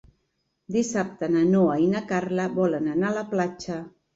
Dissabte na Noa i na Carla volen anar a la platja.